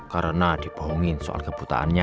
karena dibohongin soal kebutaannya